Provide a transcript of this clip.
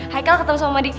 haikal ketemu sama mondi